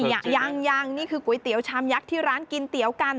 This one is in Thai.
ยังยังนี่คือก๋วยเตี๋ยวชามยักษ์ที่ร้านกินเตี๋ยวกัน